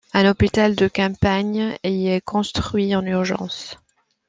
Un hôpital de campagne est construit en urgence.